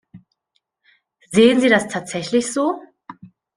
Sehen Sie das tatsächlich so?